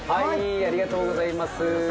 ありがとうございます。